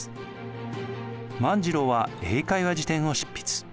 万次郎は英会話事典を執筆。